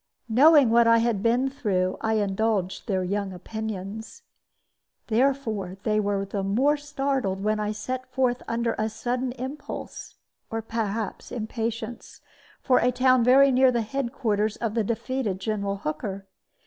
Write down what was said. Knowing what I had been through, I indulged their young opinions. Therefore they were the more startled when I set forth under a sudden impulse, or perhaps impatience, for a town very near the head quarters of the defeated General Hooker.